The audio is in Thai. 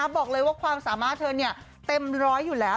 บอกเลยว่าความสามารถเธอเต็มร้อยอยู่แล้ว